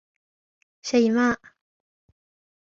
شيماء